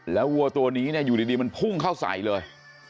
แล้ววัวตัวนี้อยู่ดีมันพุ่งเข้าใส่เลย